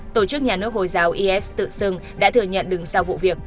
tổ chức nhà nước hồi giáo is tự xưng đã thừa nhận đứng sau vụ việc